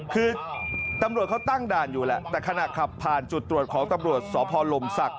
คือตำรวจเขาตั้งด่านอยู่แหละแต่ขณะขับผ่านจุดตรวจของตำรวจสพลมศักดิ